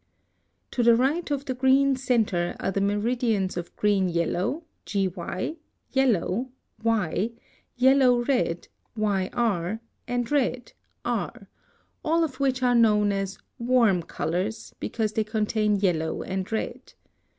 To the right of the green centre are the meridians of green yellow (GY), yellow (Y), yellow red (YR), and red (R), all of which are known as warm colors, because they contain yellow and red.